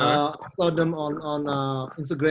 aku lihat mereka di instagram